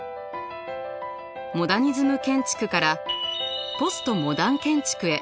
モダニズム建築からポストモダン建築へ。